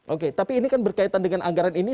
oke tapi ini kan berkaitan dengan anggaran ini